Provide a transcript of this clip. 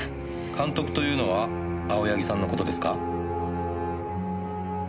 監督というのは青柳さんの事ですか？